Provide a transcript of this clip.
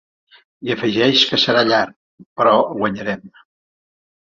I afegeix que serà llar, ‘però guanyarem’.